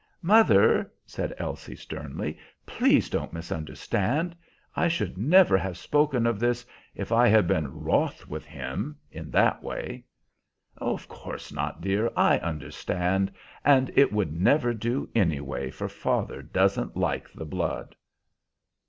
"Mother," said Elsie sternly, "please don't misunderstand. I should never have spoken of this if I had been 'wroth' with him in that way." "Of course not, dear; I understand. And it would never do, anyway, for father doesn't like the blood."